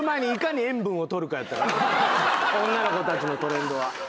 女の子たちのトレンドは。